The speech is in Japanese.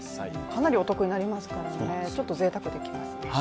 かなりお得になりますからね、ちょっとぜいたくできますね。